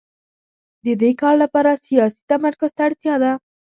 د دې کار لپاره سیاسي تمرکز ته اړتیا ده.